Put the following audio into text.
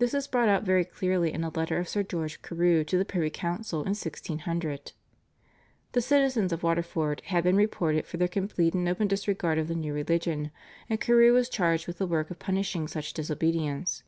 This is brought out very clearly in a letter of Sir George Carew to the privy council in 1600. The citizens of Waterford had been reported for their complete and open disregard of the new religion, and Carew was charged with the work of punishing such disobedience.